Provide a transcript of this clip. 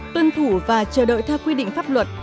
tuân thủ và chờ đợi theo quy định pháp luật